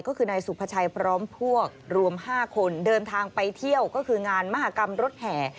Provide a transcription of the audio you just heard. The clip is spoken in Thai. ก็คือนายสุภาชัยพร้อมพวกรวม๕คนเดินทางไปเที่ยวก็คืองานมหากรรมรถแห่